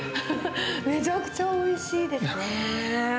めちゃくちゃおいしいですねぇ。